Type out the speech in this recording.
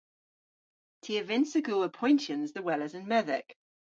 Ty a vynnsa gul apoyntyans dhe weles an medhek.